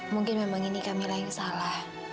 mungkin memang ini kamila yang salah